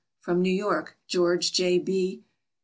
From New York George J. B.